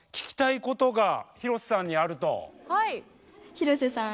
広瀬さん